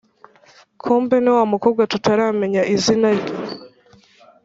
kumbe niwamukobwa tutaramenya izina rye